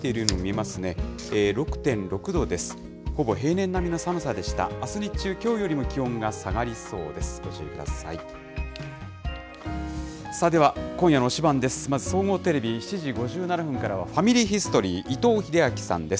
まず、総合テレビ７時５７分からはファミリーヒストリー、伊藤英明さんです。